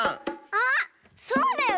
あっそうだよ！